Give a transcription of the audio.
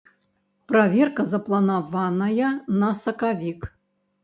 Праверка запланаваная на сакавік.